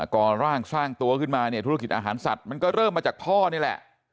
ก่อร่างสร้างตัวขึ้นมาเนี่ยธุรกิจอาหารสัตว์มันก็เริ่มมาจากพ่อนี่แหละ